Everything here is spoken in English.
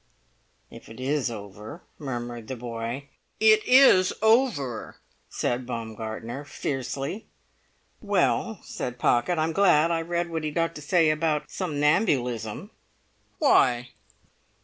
"If it is over," murmured the boy. "It is over!" said Baumgartner, fiercely. "Well," said Pocket, "I'm glad I read what he'd got to say about somnambulism." "Why?"